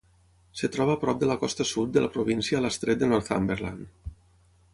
Es troba a prop de la costa sud de la província a l'estret de Northumberland.